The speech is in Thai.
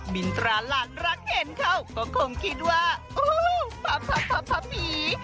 มินตราหลานรักเห็นเขาก็คงคิดว่าโอ้โหพระผี